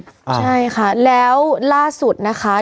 ใช่ค่ะแล้วล่าสุดนะคะ